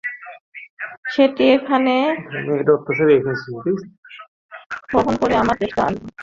সেটি এখানে বহন করে আনবার চেষ্টা করবেন না, আমার সে নেশাটি প্রকাশ্য নয়!